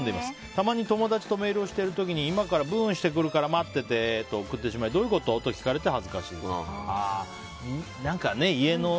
たまに友達とメールをしている時に今からブーンしてくるから待ってて！と送ってしまいどういうこと？と聞かれて恥ずかしいです。